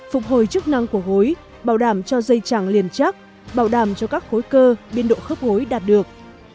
phục hồi chức năng của gối bảo đảm cho dây chàng liền chắc bảo đảm cho các khối cơ biên độ khớp gối đạt được